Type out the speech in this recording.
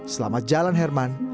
selamat jalan herman